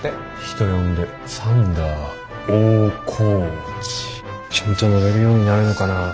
人呼んでサンダー大河内。ちゃんと乗れるようになるのかな。